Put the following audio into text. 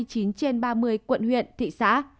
thuộc hai mươi chín trên ba mươi quận huyện thị xã